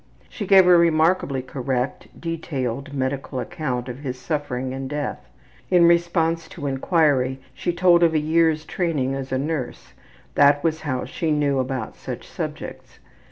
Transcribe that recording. She gave a remarkably correct, detailed, medical account of his suffering and death. In response to inquiry she told of a year's training as a nurse; that was how she knew about such subjects.